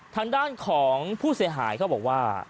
ทางด้านของผู้เสียหายเขาบอกว่า